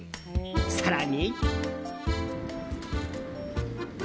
更に。